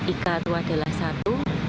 ika itu adalah satu